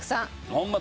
ホンマ